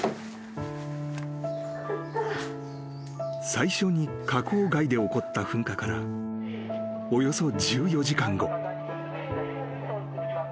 ［最初に火口外で起こった噴火からおよそ１４時間後］